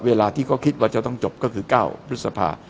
เวลาที่เขาคิดว่าจะต้องจบก็คือ๙พฤษภา